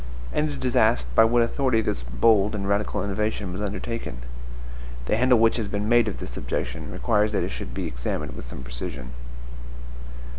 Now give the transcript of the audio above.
And it is asked by what authority this bold and radical innovation was undertaken? The handle which has been made of this objection requires that it should be examined with some precision.